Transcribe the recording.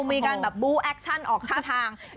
มีการแบบบู้แอคชั่นออกท่าทาง